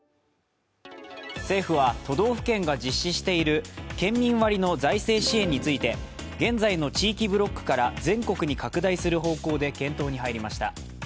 政府は、都道府県が実施している県民割の財政支援について現在の地域ブロックから全国に拡大する方向で検討に入りました。